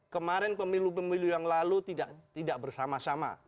kemarin pemilu pemilu yang lalu tidak bersama sama